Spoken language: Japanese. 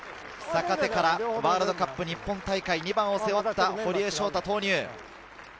坂手からワールドカップ日本大会２番を背負った堀江翔太投入。